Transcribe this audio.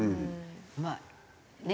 まあね